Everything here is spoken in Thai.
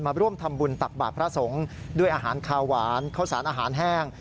มาร่วมทำบุญตักบาทพระสงฆ์ด้วยอาหารคาหวานข้าวสารอาหารแห้ง